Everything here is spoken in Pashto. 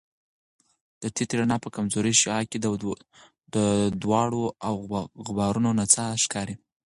د تتي رڼا په کمزورې شعاع کې د دوړو او غبارونو نڅا ښکاري.